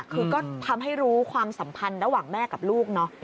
คือก็ทำให้รู้ความสัมพันธ์ระหว่างแม่กับลูกเนาะ